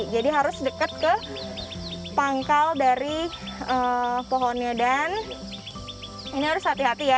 jadi harus dekat ke pangkal dari pohonnya dan ini harus hati hati ya